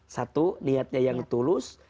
satu niatnya yang tulus